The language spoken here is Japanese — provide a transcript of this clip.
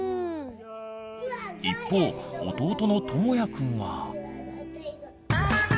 一方弟のともやくんは。